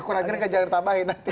kurang greget jangan ditambahin